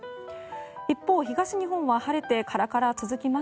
一方、東日本は晴れてカラカラが続きます。